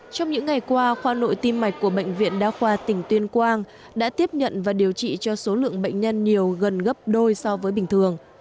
trong những ngày qua khoa nội tim mạch của bệnh viện đa khoa tỉnh tuyên quang đã tiếp nhận và điều trị cho số lượng bệnh nhân nhiều gần gấp đôi so với bình thường